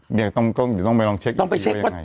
เดี๋ยวต้องไปลองเช็คดีกว่ายังไง